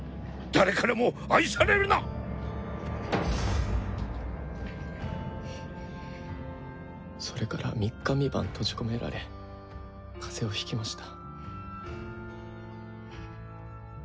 誰からも愛さそれから三日三晩閉じ込められ風邪をひきました。